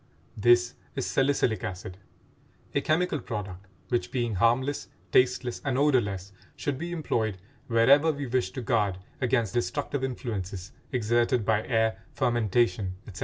This is salicylic acid, a chemical product which, being harmless, tasteless, and odorless, should be employed wherever we wish to guard against destructive influences exerted by air, fermentation, etc.